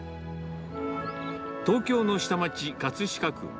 東京の下町、葛飾区。